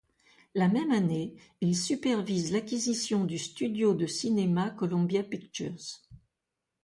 La même année, il supervise l'acquisition du studio de cinéma Columbia Pictures.